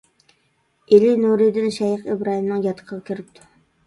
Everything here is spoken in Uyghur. ئېلى نۇرىدىن شەيخ ئىبراھىمنىڭ ياتىقىغا كىرىپتۇ.